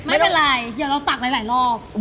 ไม่เป็นไรเดี๋ยวเราตักหลายรอบ